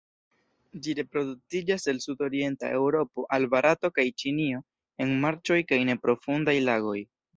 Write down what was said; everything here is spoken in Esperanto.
Ĝi reproduktiĝas el sudorienta Eŭropo al Barato kaj Ĉinio en marĉoj kaj neprofundaj lagoj.